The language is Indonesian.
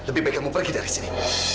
lebih baik kamu pergi dari sini